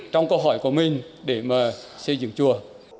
trong câu hỏi của mình để xây dựng chùa